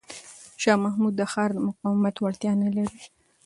شاه محمود د ښار د مقاومت وړتیا نه لري.